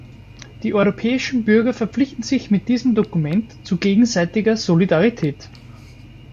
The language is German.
Die europäischen Bürger verpflichten sich mit diesem Dokument zu gegenseitiger Solidarität.